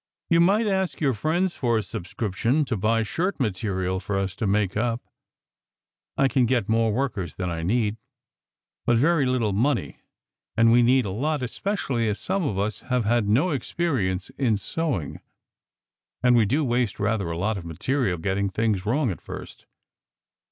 You might ask your friends for a subscription to buy shirt material for us to make up. I can get more workers than I need, but very little money, and we need a lot, especially as some of us have had no experience in sewing and we do waste rather a lot of material getting things wrong at first